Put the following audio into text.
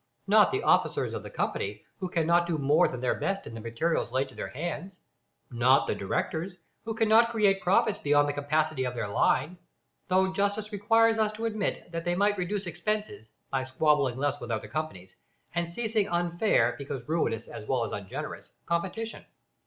Not the officers of the company, who cannot do more than their best with the materials laid to their hands; not the directors, who cannot create profits beyond the capacity of their line although justice requires us to admit that they might reduce expenses, by squabbling less with other companies, and ceasing unfair, because ruinous as well as ungenerous, competition.